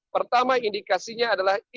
pertama indikasinya adalah